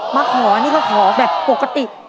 มาขอนี่ก็ขอแบบปกติ